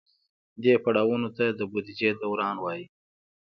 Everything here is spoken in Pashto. دې پړاوونو ته د بودیجې دوران وایي.